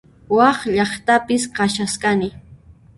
Wak llaqtapis kashasqani